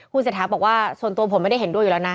เศรษฐาบอกว่าส่วนตัวผมไม่ได้เห็นด้วยอยู่แล้วนะ